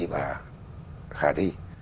và khả thi